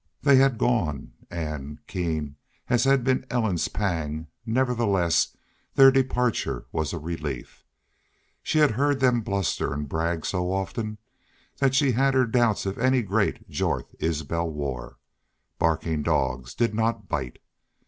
They had gone and, keen as had been Ellen's pang, nevertheless, their departure was a relief. She had heard them bluster and brag so often that she had her doubts of any great Jorth Isbel war. Barking dogs did not bite.